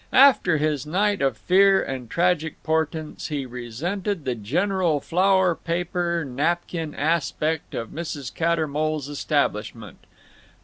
After his night of fear and tragic portents he resented the general flowered paper napkin aspect of Mrs. Cattermole's establishment.